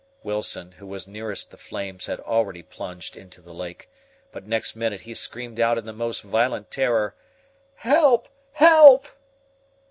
Wilson, who was nearest the flames, had already plunged into the lake, but next minute he screamed out in the most violent terror: "Help! Help!"